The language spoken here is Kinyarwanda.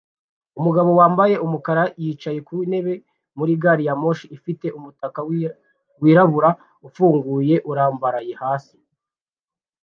Umugabo wambaye umukara yicaye ku ntebe muri gari ya moshi ifite umutaka wirabura ufunguye urambaraye hasi